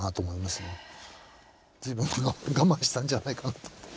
随分我慢したんじゃないかなと思って。